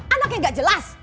anak yang gak jelas